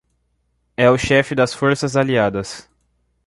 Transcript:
É o chefe das forças aliadas.